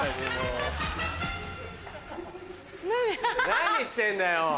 何してんだよ？